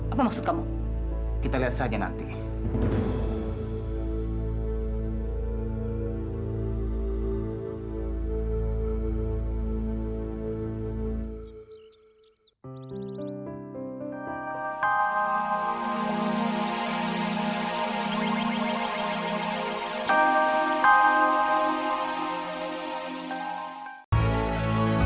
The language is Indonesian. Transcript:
kau tahu saya cemas dengan anak itu